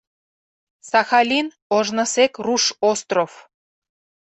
— Сахалин — ожнысек руш остров.